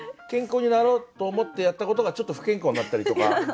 健康になろうと思ってやったことがちょっと不健康になったりとか。